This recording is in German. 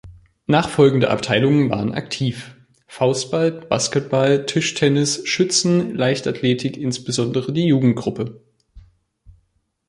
Nachfolgende Abteilungen waren aktiv: Faustball, Basketball, Tischtennis, Schützen, Leichtathletik insbesondere die Jugendgruppe.